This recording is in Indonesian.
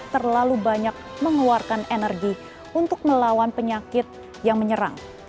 terlalu banyak mengeluarkan energi untuk melawan penyakit yang menyerang